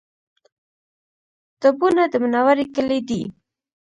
ډبونه د منورې کلی دی